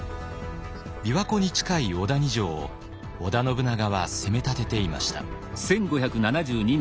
琵琶湖に近い小谷城を織田信長は攻めたてていました。